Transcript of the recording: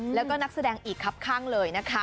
แล้วก็นักแสดงอีกขับขังเลย